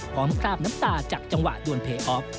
พร้อมคราบน้ำตาจากจังหวะโดนเพลย์ออฟ